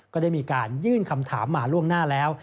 ก็ได้มีการยื่นคำถามมาล่วงหน้าแล้ว